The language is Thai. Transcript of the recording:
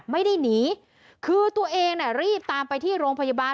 ไม่ได้หนีคือตัวเองน่ะรีบตามไปที่โรงพยาบาล